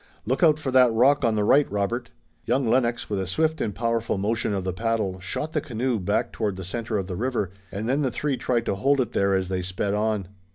Look out for that rock on the right, Robert!" Young Lennox, with a swift and powerful motion of the paddle, shot the canoe back toward the center of the river, and then the three tried to hold it there as they sped on.